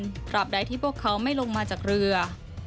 ตราบใดที่พวกเขาไม่ลงมาจากเรือ